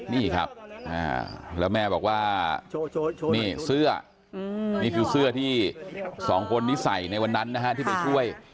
นี่ครับแล้วแม่บอกว่านี่เสื้อนี่คือเสื้อที่สองคนนี้ใส่ในวันนั้นนะฮะที่ไปช่วย